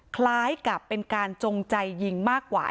คล้ายกับเป็นการจงใจยิงมากกว่า